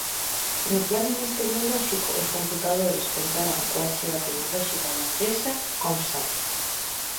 No plano máis técnico, os computadores contarán coa achega tecnolóxica da empresa Comsat.